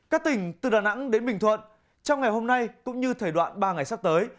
các tỉnh từ đà nẵng đến bình thuận trong ngày hôm nay cũng như thời đoạn ba ngày sắp tới